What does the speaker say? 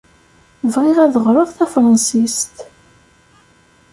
Bɣiɣ ad ɣreɣ tafransist.